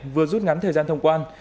vừa rút ngắn thời gian thông quan